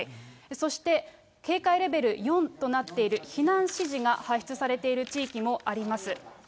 そして、警戒レベル４となっている避難指示が発出されている地域もあります。